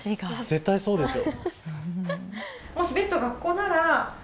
絶対そうですよ。